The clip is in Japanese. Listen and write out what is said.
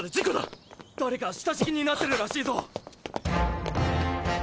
誰か下敷きになってるらしいぞ！